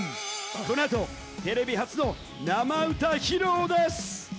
この後、テレビ初の生歌披露です！